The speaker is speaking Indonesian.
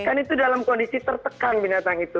kan itu dalam kondisi tertekan binatang itu